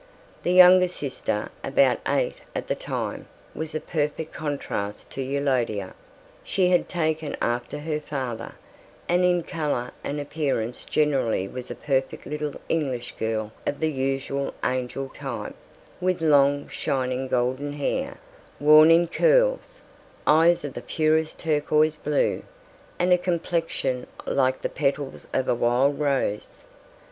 The younger sister, about eight at that time, was a perfect contrast to Eulodia: she had taken after her father, and in colour and appearance generally was a perfect little English girl of the usual angel type, with long shining golden hair, worn in curls, eyes of the purest turquoise blue, and a complexion like the petals of a wild rose.